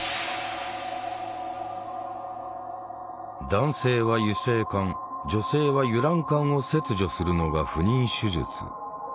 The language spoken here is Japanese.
男性は輸精管女性は輸卵管を切除するのが不妊手術。